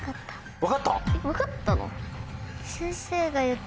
分かったの？